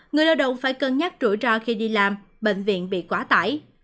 người lao động phải cân nhắc rủi ro khi đi làm bệnh viện bị quá tải